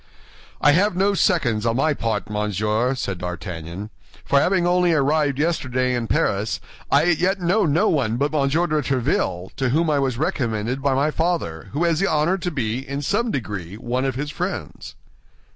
"I have no seconds on my part, monsieur," said D'Artagnan; "for having only arrived yesterday in Paris, I as yet know no one but Monsieur de Tréville, to whom I was recommended by my father, who has the honor to be, in some degree, one of his friends."